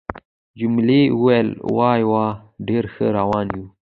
جميلې وويل:: وا وا، ډېر ښه روان یو.